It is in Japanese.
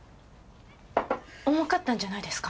重かったんじゃないですか？